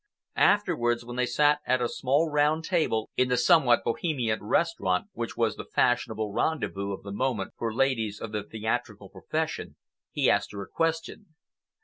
Afterwards, when they sat at a small round table in the somewhat Bohemian restaurant which was the fashionable rendezvous of the moment for ladies of the theatrical profession, he asked her a question.